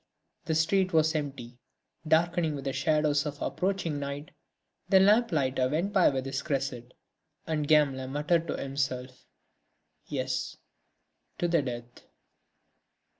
The street was empty, darkening with the shadows of approaching night; the lamplighter went by with his cresset, and Gamelin muttered to himself: "Yes, to the death!"